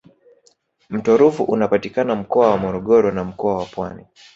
mto ruvu unapatikana mkoa wa morogoro na mkoa wa pwani